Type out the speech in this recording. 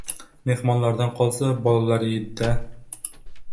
Mehmonlardan qolsa — bolalar yeydi-da!